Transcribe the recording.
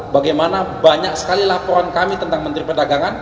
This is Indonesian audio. bagaimana banyak sekali laporan kami tentang menteri perdagangan